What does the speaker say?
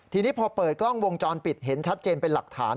ทีนี้พอเปิดกล้องวงจรปิดเห็นชัดเจนเป็นหลักฐาน